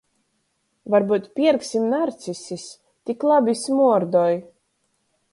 Varbyut pierksim narcisis — tik labi smuordoj!